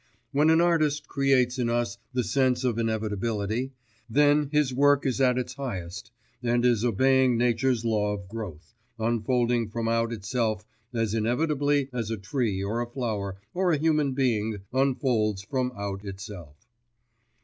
When an artist creates in us the sense of inevitability, then his work is at its highest, and is obeying nature's law of growth, unfolding from out itself as inevitably as a tree or a flower or a human being unfolds from out itself.